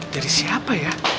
dari siapa ya